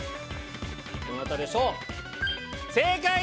どなたでしょう。